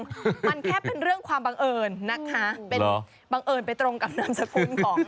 มันแค่เป็นเรื่องความบังเอิญนะคะเป็นบังเอิญไปตรงกับนามสกุลของ